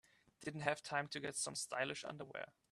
I didn't have time to get some stylish underwear.